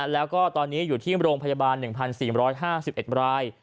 แล้วก็ตอนนี้อยู่ที่โรงพยาบาล๑๔๕๑ราย